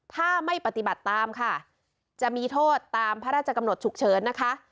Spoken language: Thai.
ถ้าไม่ปฏิบัติตามค่ะจะมีโทษตามพระราชกำหนดฉุกเฉินนะคะ